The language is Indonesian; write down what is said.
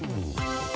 tidak ada perubahan